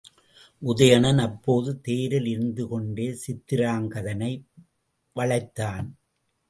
உதயணன் அப்போது தேரில் இருந்துகொண்டே சித்திராங்கதனை வளைத்தான்.